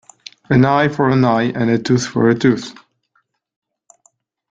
An eye for an eye and a tooth for a tooth.